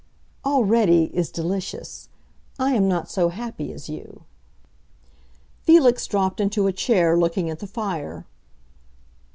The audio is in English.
"'Already' is delicious. I am not so happy as you." Felix dropped into a chair, looking at the fire.